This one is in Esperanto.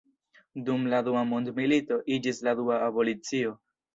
Dum la Dua mondmilito iĝis la dua abolicio.